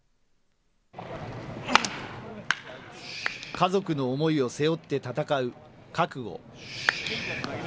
家族の思いを背負って戦う覚悟。